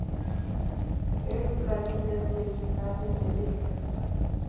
Es la líder del gimnasio Celeste.